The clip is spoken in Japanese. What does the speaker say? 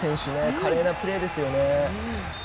華麗なプレーですよね。